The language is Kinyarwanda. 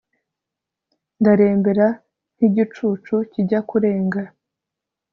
ndarembera nk'igicucu kijya kurenga